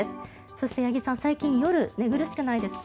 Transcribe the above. そして、八木さん最近夜、寝苦しくないですか？